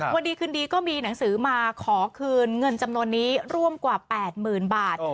วันดีคืนดีก็มีหนังสือมาขอคืนเงินจำนวนนี้ร่วมกว่า๘๐๐๐บาท